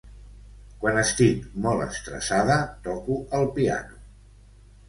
Quan estic molt estressada, toco el piano.